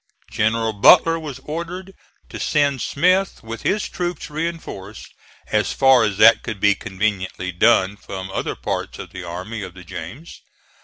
General Butler was ordered to send Smith with his troops reinforced, as far as that could be conveniently done, from other parts of the Army of the James.